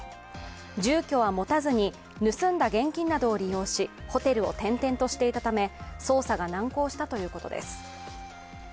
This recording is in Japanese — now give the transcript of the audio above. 住居は持たずに盗んだ現金などを利用しホテルを転々としていたため捜査が難航したということです。